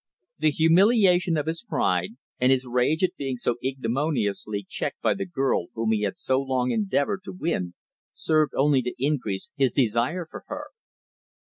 The humiliation of his pride, and his rage at being so ignominiously checked by the girl whom he had so long endeavored to win, served only to increase his desire for her.